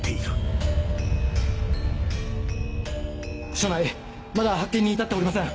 署内まだ発見に至っておりません。